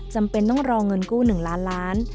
จำเป็นต้องรอเงินกู้๑ล้านล้าน